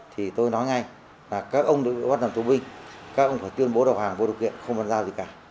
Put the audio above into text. thì tôi nói ngay là các ông đều bị bắt làm tù binh các ông phải tuyên bố đọc hàng vô điều kiện không bàn giao gì cả